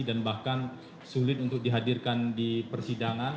dan bahkan sulit untuk dihadirkan di persidangan